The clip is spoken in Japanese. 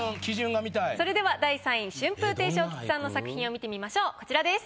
それでは第３位春風亭昇吉さんの作品を見てみましょうこちらです。